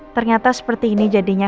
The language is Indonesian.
ternyata seperti ini jadinya